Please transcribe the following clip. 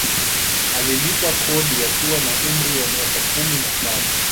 Alilipa kodi akiwa na umri wa miaka kumi na tatu